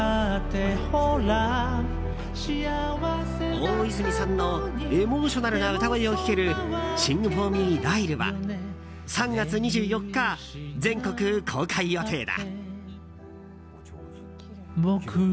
大泉さんのエモーショナルな歌声を聴ける「シング・フォー・ミー、ライル」は３月２４日、全国公開予定だ。